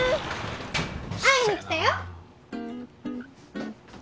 会いに来たよ